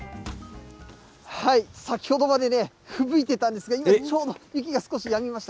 先ほどまでふぶいてたんですが、今、ちょうど雪が少しやみました。